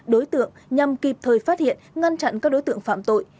đối tượng nhằm kịp thời phát hiện ngăn chặn các đối tượng phạm tội